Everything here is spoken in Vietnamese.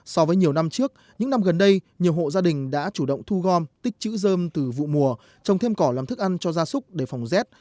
so với nhiều năm trước những năm gần đây nhiều hộ gia đình đã chủ động thu gom tích chữ dơm từ vụ mùa trồng thêm cỏ làm thức ăn cho gia súc để phòng rét